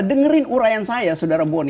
dengerin uraian saya saudara bonny